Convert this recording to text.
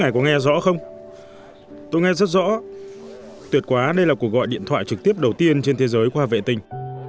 chủ tịch của at t đã trực tiếp đầu tiên trên thế giới qua vệ tinh